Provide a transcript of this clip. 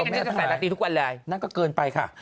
มันก็จะใส่ลาตีทุกวันเลยนางก็เกินไปค้ะ